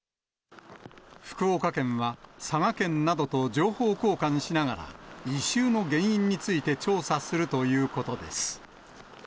福岡県は、佐賀県などと情報交換しながら、異臭の原因について調査するということです。